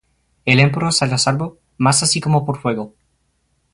él empero será salvo, mas así como por fuego.